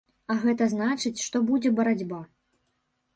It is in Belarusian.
А гэта значыць, што будзе барацьба.